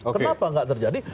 kenapa nggak terjadi